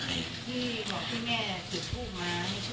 พี่บอกพี่แม่จะพูดมา